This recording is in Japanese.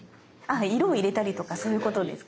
色を入れたりとかそういうことですか？